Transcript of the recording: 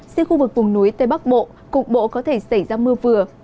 riêng khu vực vùng núi tây bắc bộ cục bộ có thể xảy ra mưa vừa